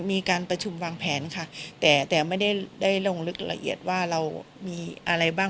มีการประชุมวางแผนค่ะแต่แต่ไม่ได้ได้ลงลึกละเอียดว่าเรามีอะไรบ้าง